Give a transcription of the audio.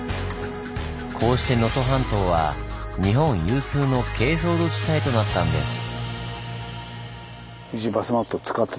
こうして能登半島は日本有数の珪藻土地帯となったんです。